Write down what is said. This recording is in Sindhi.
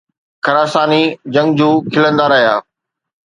خراساني جنگجو کلندا رهيا.